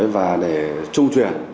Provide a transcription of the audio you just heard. và để trung truyền